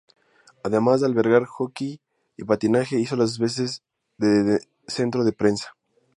Además de albergar hockey y patinaje, hizo las veces de centro de prensa.